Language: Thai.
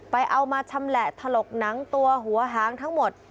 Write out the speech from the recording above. เอามาชำแหละถลกหนังตัวหัวหางทั้งหมด